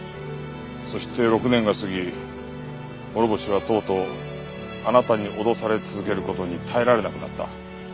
そして６年が過ぎ諸星はとうとうあなたに脅され続ける事に耐えられなくなった。